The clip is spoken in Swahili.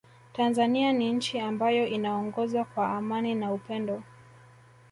Tanzania ni nchi ambayo inaongozwa kwa amani na upendo